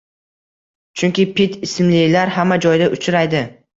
Chunki Pit ismlilar hamma joyda uchraydi.